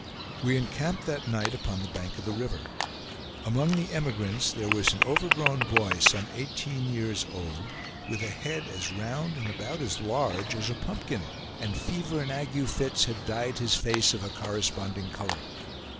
We encamped that night upon the bank of the river. Among the emigrants there was an overgrown boy, some eighteen years old, with a head as round and about as large as a pumpkin, and fever and ague fits had dyed his face of a corresponding color.